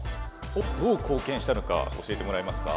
どう貢献したのか教えてもらえますか？